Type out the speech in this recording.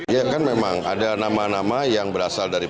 ya kan memang ada nama nama yang berasal dari p tiga